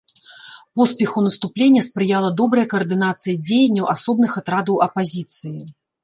Поспеху наступлення спрыяла добрая каардынацыя дзеянняў асобных атрадаў апазіцыі.